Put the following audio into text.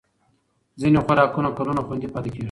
ځینې خوراکونه کلونه خوندي پاتې کېږي.